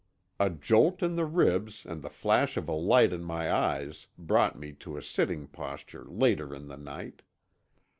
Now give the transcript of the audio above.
A jolt in the ribs and the flash of a light in my eyes brought me to a sitting posture later in the night.